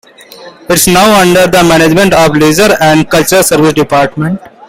It is now under the management of the Leisure and Cultural Service Department.